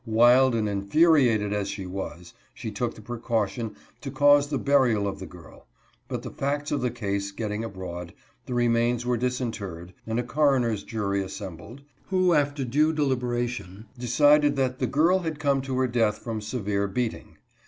Wild and infuriated as she was, she took the pre caution to cause the burial of the girl ; but, the facts of the case getting abroad, the remains were disinterred and a coroner's jury assembled, who, after due deliberation, decided that " the girl had come to her death from severe beating."